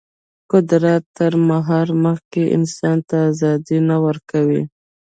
قدرت تر مهار مخکې انسان ته ازادي نه ورکوي.